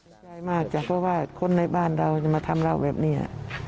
ใจมากจ้ะเพราะว่าคนในบ้านเราจะมาทำเราแบบนี้